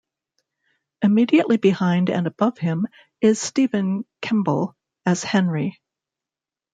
Immediately behind and above him is Stephen Kemble as Henry.